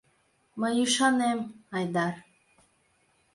Мый ӱшанем, Айдар.